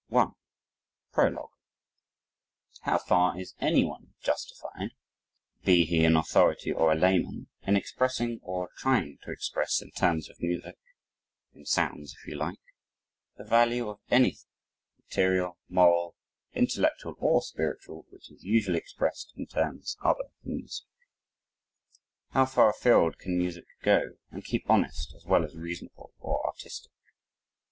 I Prologue How far is anyone justified, be he an authority or a layman, in expressing or trying to express in terms of music (in sounds, if you like) the value of anything, material, moral, intellectual, or spiritual, which is usually expressed in terms other than music? How far afield can music go and keep honest as well as reasonable or artistic?